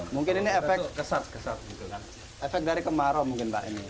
mungkin ini efek dari kemarau mungkin pak